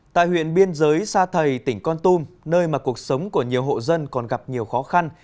tại huyện biên giới sa thầy tỉnh con tum nơi mà cuộc sống của nhiều hộ dân còn gặp nhiều khó khăn